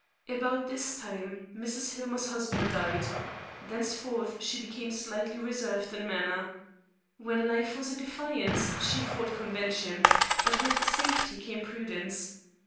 About this time, Mrs. Hillmer's husband died. Thenceforth she became slightly reserved in manner. When life was a defiance she fought convention, but with safety came prudence.